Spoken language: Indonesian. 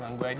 bang gue aja